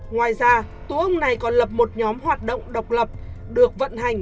ngoài ra tù ông này còn lập một nhóm hoạt động độc lập được vận hành